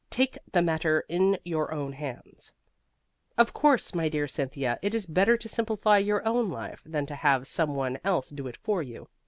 TAKE THE MATTER IN YOUR OWN HANDS Of course, my dear Cynthia, it is better to simplify your own life than to have some one else do it for you.